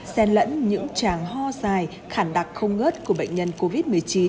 xen lẫn những tràng ho dài khẳng đặc không ngớt của bệnh nhân covid một mươi chín